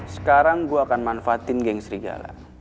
sekarang gue akan manfaatin geng serigala